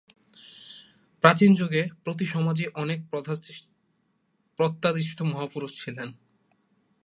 প্রাচীন যুগে প্রতি সমাজেই অনেক প্রত্যাদিষ্ট মহাপুরুষ ছিলেন।